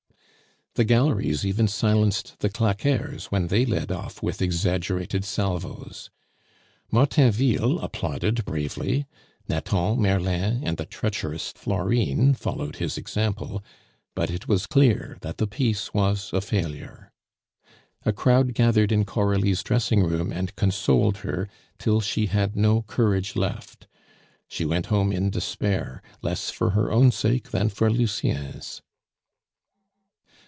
The galleries even silenced the claqueurs when they led off with exaggerated salvos. Martainville applauded bravely; Nathan, Merlin, and the treacherous Florine followed his example; but it was clear that the piece was a failure. A crowd gathered in Coralie's dressing room and consoled her, till she had no courage left. She went home in despair, less for her own sake than for Lucien's.